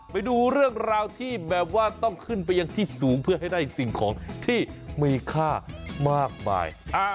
ไปดูเรื่องราวที่แบบว่าต้องขึ้นไปยังที่สูงเพื่อให้ได้สิ่งของที่มีค่ามากมาย